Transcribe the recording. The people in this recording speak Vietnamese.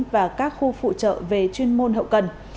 và các khu phụ trợ về chuyên môn hậu cần